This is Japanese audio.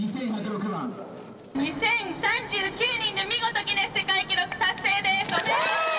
２０３９人で見事、ギネス世界記録達成です。